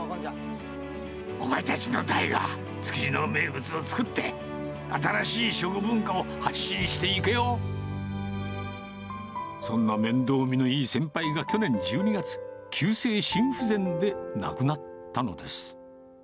お前たちの代が築地の名物を作って、そんな面倒見のいい先輩が去年１２月、急性心不全で亡くなったのです。